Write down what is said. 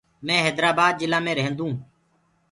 مينٚ هيدرآبآد جلآ مي ريهدونٚ.